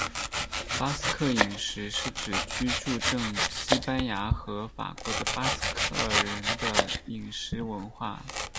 巴斯克饮食是指居住证西班牙和法国的巴斯克人的饮食文化。